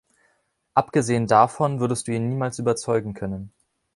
Abgesehen davon, würdest du ihn niemals überzeugen können.